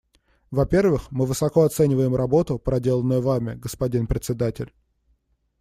Во-первых, мы высоко оцениваем работу, проделанную Вами, господин Председатель.